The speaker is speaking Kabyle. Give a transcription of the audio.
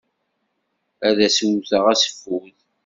Ad as-wwteɣ aseffud.